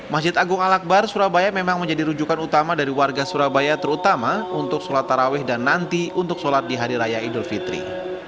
masjid agung al akbar surabaya memang menjadi rujukan utama dari warga surabaya terutama untuk sholat taraweh dan nanti untuk sholat di hari raya idul fitri